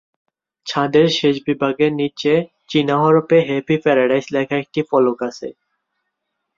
ছাদের শেষভাগের নিচে চীনা হরফে "হ্যাপি প্যারাডাইস" লেখা একটি ফলক আছে।